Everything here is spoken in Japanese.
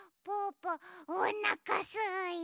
ぽおなかすいた！